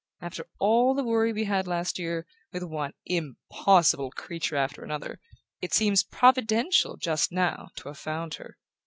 After all the worry we had last year, with one impossible creature after another, it seems providential, just now, to have found her.